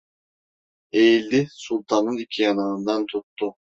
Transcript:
Eğildi, Sultan'ın iki yanağından tuttu.